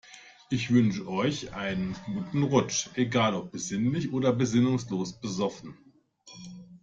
Ich wünsche euch einen guten Rutsch, egal ob besinnlich oder besinnungslos besoffen.